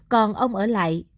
còn ông ở lại